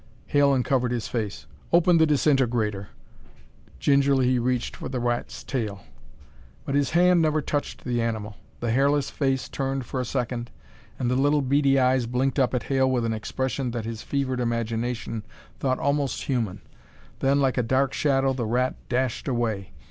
Hale uncovered his face. "Open the disintegrator." Gingerly he reached for the rat's tail. But his hand never touched the animal. The hairless face turned for a second, and the little, beady eyes blinked up at Hale with an expression that his fevered imagination thought almost human. Then, like a dark shadow, the rat dashed away.